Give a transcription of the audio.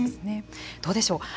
どうでしょう？